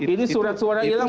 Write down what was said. ini surat suratnya hilang